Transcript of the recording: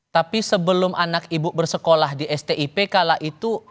tapi sebelum anak ibu bersekolah di stip kala itu